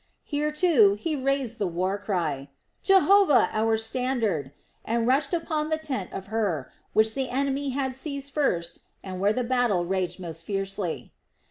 Here, too, he raised the war cry: "Jehovah our standard!" and rushed upon the tent of Hur, which the enemy had seized first and where the battle raged most fiercely.